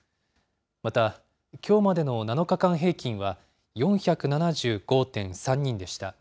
また、きょうまでの７日間平均は４７５．３人でした。